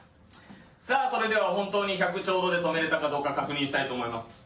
さあ、それでは本当に１００ちょうどで止められたか確認したいと思います。